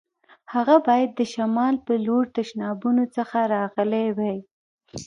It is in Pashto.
هغه باید د شمال په لور تشنابونو څخه راغلی وای.